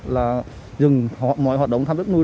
là dừng mọi hoạt động thăm tiếp nuôi